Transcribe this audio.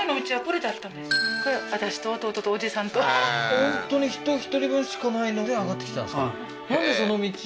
本当に人１人分しかないので上がってきてたんですか？